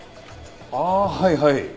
ああはいはい。